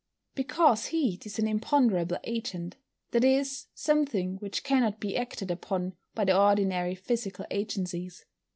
_ Because heat is an imponderable agent, that is, something which cannot be acted upon by the ordinary physical agencies.